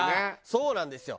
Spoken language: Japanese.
そうなんですよ。